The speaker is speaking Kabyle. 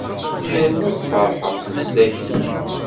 Yerna ad ferḥeɣ s leslak-ik.